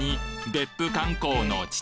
別府観光の父？